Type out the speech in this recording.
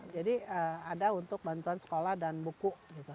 jadi ada untuk bantuan sekolah dan buku